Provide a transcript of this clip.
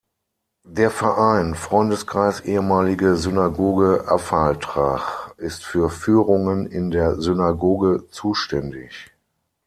Der Verein "Freundeskreis ehemalige Synagoge Affaltrach" ist für Führungen in der Synagoge zuständig.